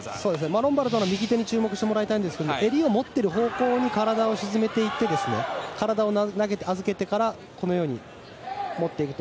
ロンバルドの右手に注目してもらいたいんですが襟を持っている方向に体を沈めていって体を預けてからこのように持っていくと。